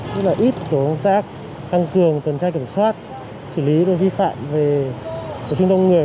tức là ít tổ công tác tăng cường cẩn trang kiểm soát xử lý đối với vi phạm về tổ chức đông người